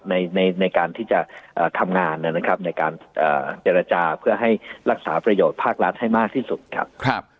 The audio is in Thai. ในการที่จะทำงานนะครับในการเจรจาเพื่อให้รักษาประโยชน์ภาครัฐให้มากที่สุดครับ